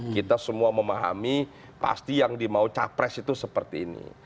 kita semua memahami pasti yang dimau capres itu seperti ini